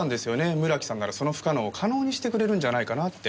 村木さんならその不可能を可能にしてくれるんじゃないかなって。